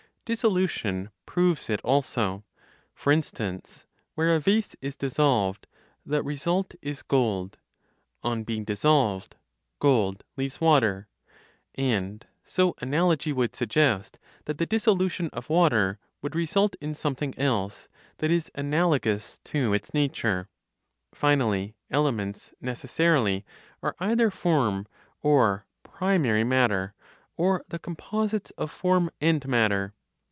Dissolution proves it also. For instance, where a vase is dissolved, the result is gold; on being dissolved, gold leaves water; and so analogy would suggest that the dissolution of water would result in something else, that is analogous to its nature. Finally, elements necessarily are either form, or primary matter, or the composites of form and matter.